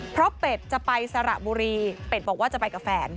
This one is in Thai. เพราะเป็ดจะไปสระบุรีเป็ดบอกว่าจะไปกับแฟน